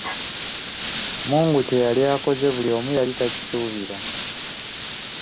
Mungu kye yali akoze, buli omuyali takisuubira!